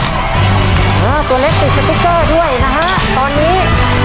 ตัวเล็กติดสติ๊กเกอร์ด้วยนะฮะตอนนี้